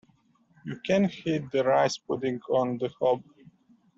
You can heat the rice pudding on the hob